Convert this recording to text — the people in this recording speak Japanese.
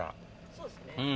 そうですね。